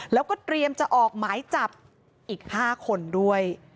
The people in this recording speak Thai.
แล้วก็เตรียมจะออกหมายจับอีก๕คนด้วย